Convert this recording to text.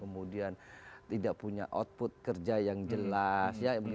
kemudian tidak punya output kerja yang jelas